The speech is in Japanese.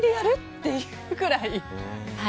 っていうくらい。